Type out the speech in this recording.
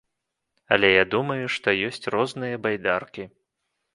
Але я думаю, што ёсць розныя байдаркі.